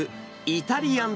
イタリアン？